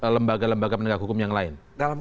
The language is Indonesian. lembaga lembaga penegak hukum yang lain